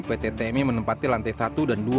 pt tmi menempatkan alamat perusahaan tersebut